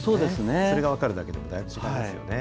それが分かるだけでもだいぶ違いますよね。